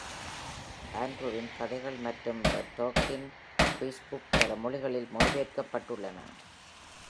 ஆண்ட்ரூவின் கதைகள் மற்றும் " The Tolkien Quiz Book " பல மொழிகளில் மொழிபெயர்க்கப்பட்டுள்ளன.